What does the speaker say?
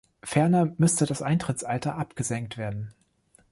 Ferner müsste das Eintrittsalter abgesenkt werden.